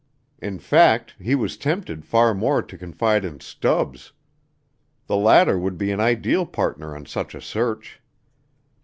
In fact, he was tempted far more to confide in Stubbs. The latter would be an ideal partner on such a search.